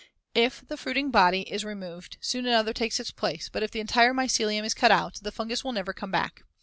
If the fruiting body is removed, another soon takes its place, but if the entire mycelium is cut out, the fungus will never come back.